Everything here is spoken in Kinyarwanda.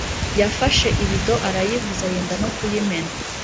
Yafashe ibido arayivuza yenda no kuyimena